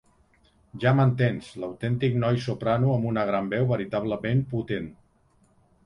Ja m'entens, l'autèntic noi soprano amb una gran veu veritablement potent.